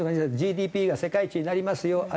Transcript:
ＧＤＰが世界一になりますよ